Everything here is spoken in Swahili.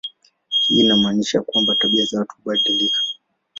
Hii inamaanisha kwamba tabia za watu hubadilika.